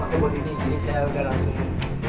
pakai kok kok ini ini saya udah langsung